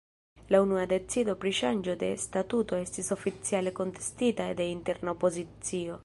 La unua decido pri ŝanĝo de statuto estis oficiale kontestita de interna opozicio.